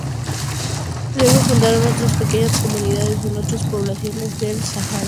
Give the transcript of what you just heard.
Luego fundaron otras pequeñas comunidades en otras poblaciones del Sahara.